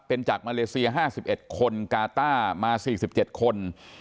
เป็นจากมาเลเซีย๕๑คนกาต้ามา๔๗คน